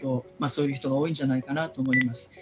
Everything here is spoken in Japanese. そういう人が多いんじゃないかなと思います。